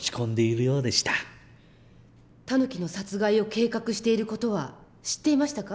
タヌキの殺害を計画している事は知っていましたか？